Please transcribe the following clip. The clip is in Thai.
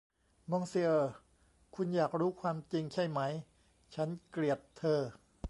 มองซิเออร์ คุณอยากรู้ความจริงใช่ไหม ฉันเกลียดเธอ